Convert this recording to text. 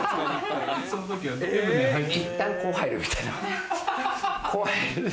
いったん、こう入るみたいな。